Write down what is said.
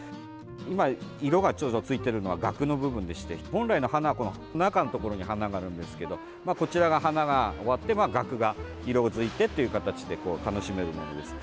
今、色がついているのはがくの部分でして本来の花は、中のところに花があるんですけど花が終わってがくが色づいてという形で楽しめるものです。